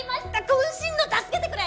渾身の「助けてくれ」！